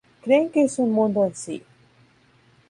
Creen que es un mundo en sí.